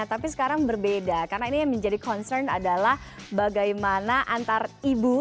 tapi sekarang berbeda karena ini yang menjadi concern adalah bagaimana antar ibu